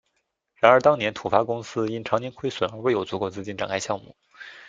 然而当年土发公司因长年亏损而未有足够资金展开项目。